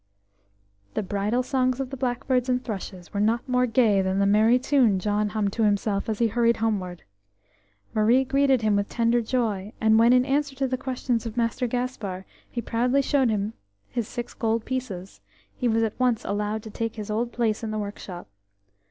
The bridal songs of the blackbirds and thrushes were not more gay than the merry tune John hummed to himself as he hurried homeward. Marie greeted him with tender joy, and when in answer to the questions of Master Gaspar he proudly showed him his six gold pieces, he was at once allowed to take his old place in the workshop.